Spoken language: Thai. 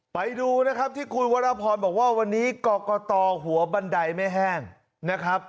ไปดูนะครับที่คุณวรพรบอกว่าวันนี้กรกตหัวบันไดไม่แห้งนะครับ